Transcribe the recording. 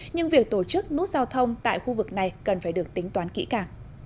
nhưng việc tổ chức nút giao thông tại khu vực này cần phải được tính toán kỹ càng